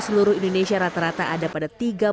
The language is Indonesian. seluruh indonesia rata rata ada pada